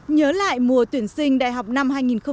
nhớ lại mùa tuyển sinh đại học năm hai nghìn một mươi ba